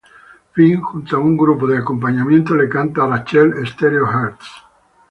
Finn junto a un grupo de acompañamiento le canta a Rachel "Stereo Hearts".